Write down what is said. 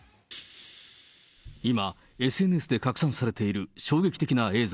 今、ＳＮＳで拡散されている衝撃的な映像。